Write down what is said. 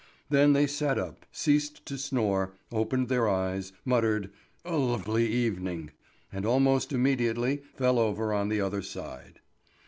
Then they sat up, ceased to snore, opened their eyes, muttered, "A lovely evening!" and almost immediately fell over on the other side.